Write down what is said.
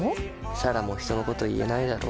彩良も人のこと言えないだろ。